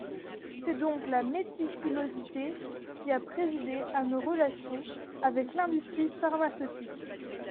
C’est donc la méticulosité qui a présidé à nos relations avec l’industrie pharmaceutique.